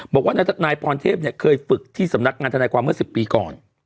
บอกว่าคือน้ายนายป่อนเทพคุยฝึกที่สำนักงานธนาความเมื่อ๑๐ปีก่อน